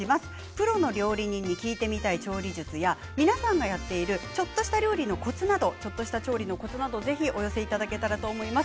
プロの料理人に聞いてみたい調理術や皆さんがやっているちょっとした調理のコツなどをお寄せいただけたらと思います。